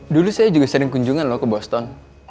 dulu saya juga sering kunjungan loh ke boston